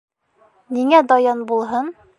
Ниңә Даян булһын?